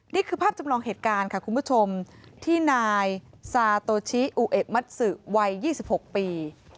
นี่คือภาพจำลองเหตุการณ์ค่ะคุณผู้ชมที่นายซาโตชิอูเอะมัตสือวัย๒๖ปี